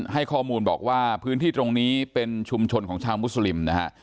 ให้ข้อมูลบอกว่าพื้นที่ตรงนี้เป็นชุมชนของชาวมุสลิมนะฮะ